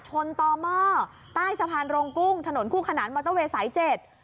ชนต่อหม้อใต้สะพานโรงกุ้งถนนคู่ขนานมอเตอร์เวย์สายเจ็ด